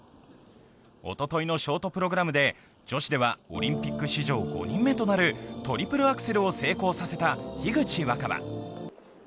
おとといのショートプログラムでは女子ではオリンピック史上５人目となるトリプルアクセルを成功させた樋口新葉。